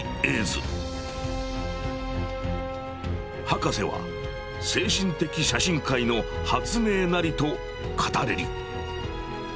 「博士は精神的写真界の発明なりと語れり」。